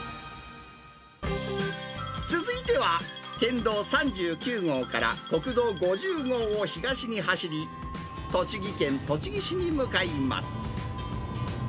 続いては県道３９号から国道５０号を東に走り、栃木県栃木市に向かいます。